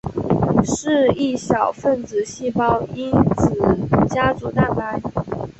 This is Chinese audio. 是一小分子细胞因子家族蛋白。